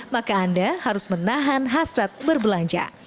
maka anda harus menahan hasrat berbelanja